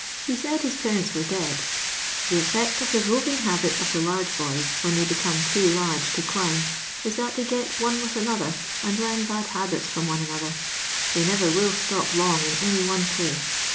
He said hia parents were dead. The ^ect of Uie roving habit of the large bo}/s when ihe^/ hecome too large to dimhf ?*, thai they get one with another and learn bad habits from one anotJter; they ntver will stop long in any one place.